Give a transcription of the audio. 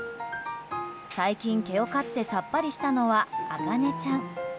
最近毛を刈ってさっぱりしたのはあかねちゃん。